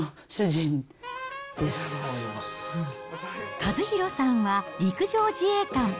和博さんは、陸上自衛官。